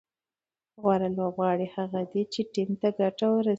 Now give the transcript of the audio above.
غوره لوبغاړی هغه دئ، چي ټیم ته ګټه ورسوي.